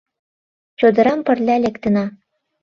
Чодырам пырля лектына.